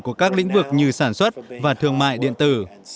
của các lĩnh vực như sản xuất và thương mại điện tử